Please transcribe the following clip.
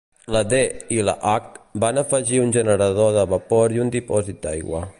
La D i la H van afegir un generador de vapor i un dipòsit d'aigua.